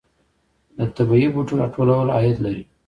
د طبیعي بوټو راټولول عاید لري